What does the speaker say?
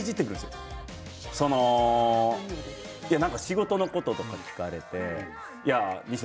仕事のこととか聞かれて西野